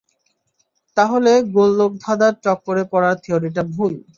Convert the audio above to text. তাহলে, গোলকধাঁধার চক্করে পড়ার থিউরীটা ভুল।